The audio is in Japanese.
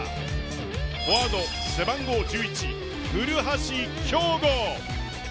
フォワード背番号１１、古橋亨梧。